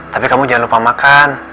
tapi kamu jangan lupa makan